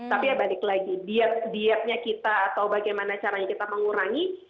tapi ya balik lagi dietnya kita atau bagaimana caranya kita mengurangi